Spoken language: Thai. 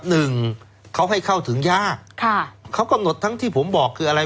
หนึ่งเขาให้เข้าถึงยากค่ะเขากำหนดทั้งที่ผมบอกคืออะไร